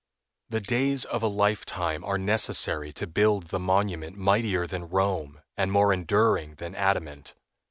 The days of a life time are necessary to build the monument mightier than Rome and more enduring than adamant.